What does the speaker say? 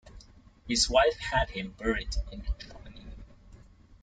His wife had him buried in Chamonix.